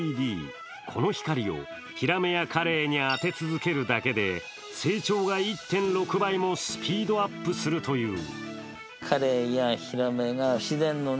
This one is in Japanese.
この光をヒラメやカレイに当て続けるだけで成長が１．６倍もスピードアップするという。